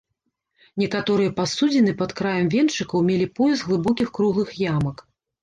Некаторыя пасудзіны пад краем венчыкаў мелі пояс глыбокіх круглых ямак.